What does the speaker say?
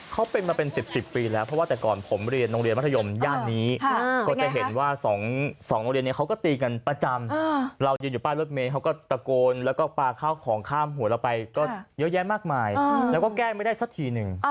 เขาเป็นมาเป็น๑๐ปีแล้วเพราะว่าแต่ก่อนผมเรียนโรงเรียนมัธยมย่านนี้ก็จะเห็นว่า๒โรงเรียนนี้เขาก็ตีกันประจำเรายืนอยู่ป้ายรถเมย์เขาก็ตะโกนแล้วก็ปลาข้าวของข้ามหัวเราไปก็เยอะแยะมากมายแล้วก็แก้ไม่ได้สักทีหนึ่ง